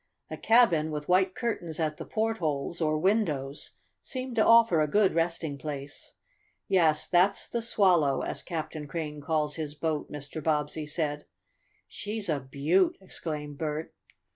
A cabin, with white curtains at the portholes, or windows, seemed to offer a good resting place. "Yes, that's the Swallow, as Captain Crane calls his boat," Mr. Bobbsey said. "She's a beaut!" exclaimed Bert.